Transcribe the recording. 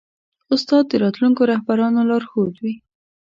استاد د راتلونکو رهبرانو لارښود وي.